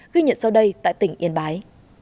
ghi nhận sau đây tại tỉnh yên bái